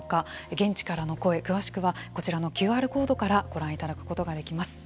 現地からの声詳しくはこちらのＱＲコードからご覧いただくことができます。